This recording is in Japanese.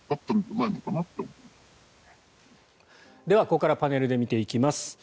ここからパネルで見ていきます。